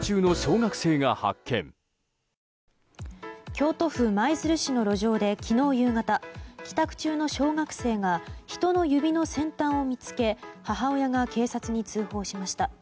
京都舞鶴市の路上で昨日夕方帰宅中の小学生が人の指の先端を見つけ母親が警察に通報しました。